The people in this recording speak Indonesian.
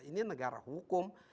ini negara hukum